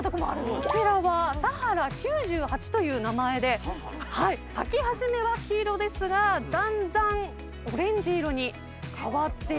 こちらはサハラ’９８という名前で咲き始めは黄色ですがだんだんオレンジ色に変わって。